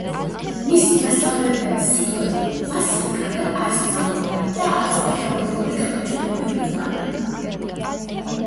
მისი მასწავლებლების სიტყვებით, ვასილი კარგად არ სწავლობდა და არც თეორიული გაკვეთილები უყვარდა.